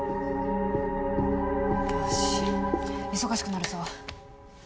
よし忙しくなるぞ。